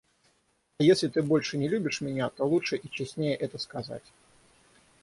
А если ты больше не любишь меня, то лучше и честнее это сказать.